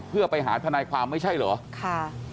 เพื่อไปหาทนายความไม่ใช่เหรอค่ะ